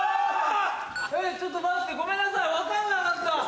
ちょっと待ってごめんなさい分かんなかった。